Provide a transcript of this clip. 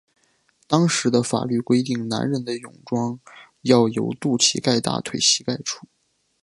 当时的法律规定男人的泳装要由肚脐盖大腿膝盖处。